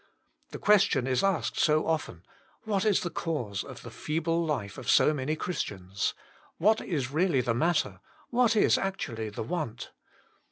The question is asked so often: ^'What is the cause of the feeble life of so many Christians ?" What is really the matter? What is actually the want